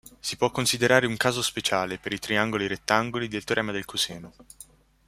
Si può considerare un caso speciale, per i triangoli rettangoli, del teorema del coseno.